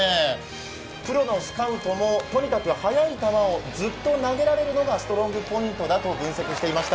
プロのスカウトもとにかく速い球をずっと投げられるのがストロングポイントだと分析していました。